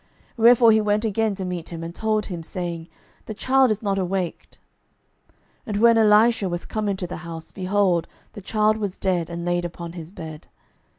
Wherefore he went again to meet him, and told him, saying, The child is not awaked. 12:004:032 And when Elisha was come into the house, behold, the child was dead, and laid upon his bed.